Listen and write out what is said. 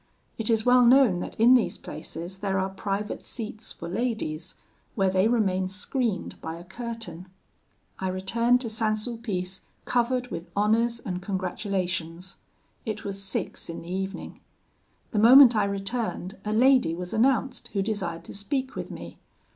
It is well known that in these places there are private seats for ladies, where they remain screened by a curtain. I returned to St. Sulpice covered with honours and congratulations. It was six in the evening. The moment I returned, a lady was announced, who desired to speak with me.